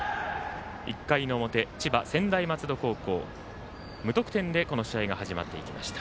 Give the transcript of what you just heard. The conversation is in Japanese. １回の表千葉・専大松戸高校無得点でこの試合が始まっていきました。